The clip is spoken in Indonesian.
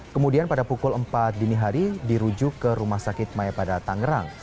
kemudian pada pukul empat dini hari dirujuk ke rumah sakit maya pada tangerang